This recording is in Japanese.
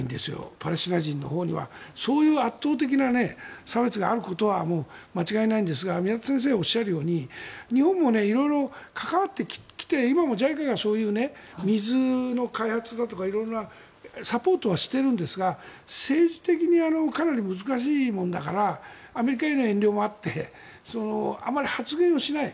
パレスチナ人のほうにはそういう圧倒的な差別があることは間違いないんですが宮田先生がおっしゃるように日本も色々、関わってきて今もＪＩＣＡが水の開発だとか色々なサポートはしているんですが政治的にかなり難しいものだからアメリカへの遠慮もあってあまり発言をしない。